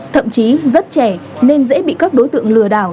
thậm chí rất trẻ nên dễ bị các đối tượng lừa đảo